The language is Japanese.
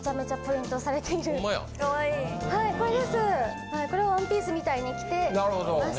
これをワンピースみたいに着てます。